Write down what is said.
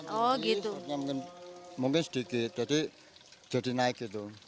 permintaannya tinggi mungkin sedikit jadi jadi naik gitu